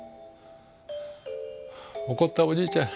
怒ったおじいちゃん